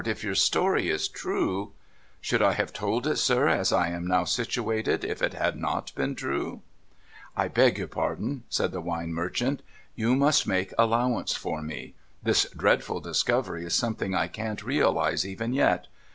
if your story is true '' Should I have told it, sir, as I am now situated, if it had not been true ?'' I beg your pardon,' said the wine merchant. ' You must make 490 NO THOROUGHFARE allowance for me. 'J'his dreadful discovery is something I can't realise even yet.